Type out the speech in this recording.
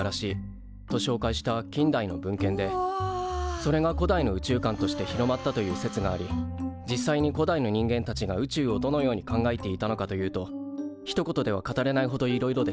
それが古代の宇宙観として広まったという説があり実際に古代の人間たちが宇宙をどのように考えていたのかというとひと言では語れないほどいろいろです。